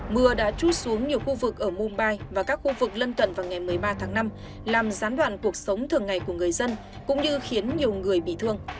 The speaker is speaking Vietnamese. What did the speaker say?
mưa đã chút xuống nhiều khu vực ở mumbai và các khu vực lân cận vào ngày một mươi ba tháng năm làm gián đoạn cuộc sống thường ngày của người dân cũng như khiến nhiều người bị thương